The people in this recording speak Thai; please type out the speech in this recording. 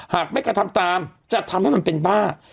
หากไม่กระทำตามจะทำให้มันเป็นบ้า